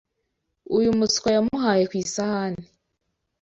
Uyu muswa yamuhaye ku isahani